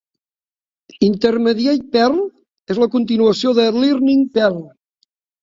"Intermediate Perl" és la continuació de "Learning Perl".